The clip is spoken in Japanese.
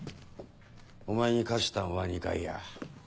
お前に貸したんは２階や。